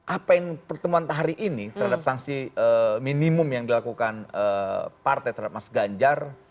apa yang pertemuan entah hari ini terhadap sanksi minimum yang dilakukan partai terhadap mas ganjar